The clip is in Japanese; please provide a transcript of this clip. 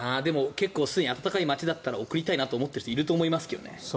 結構暖かい街だったら送りたいなと思ってる人いると思いますけどね。